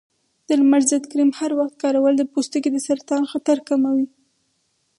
د لمر ضد کریم هر وخت کارول د پوستکي د سرطان خطر کموي.